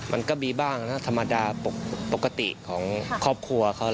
มันก็มีบ้างนะธรรมดาปกติของครอบครัวเขา